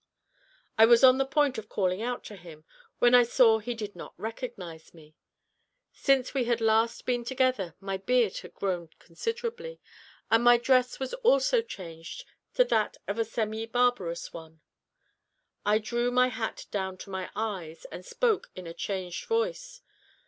I was upon the point of calling out to him, when I saw he did not recognize me. Since we had last been together my beard had grown considerably, and my dress was also changed to that of a semi barbarous one. I drew my hat down to my eyes, and spoke in a changed voice.